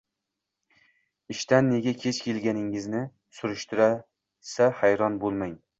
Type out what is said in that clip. Ishdan nega kech kelganingizni surishtirsa, hayron bo’lmang.